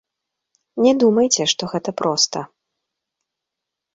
Не думайце, што гэта проста.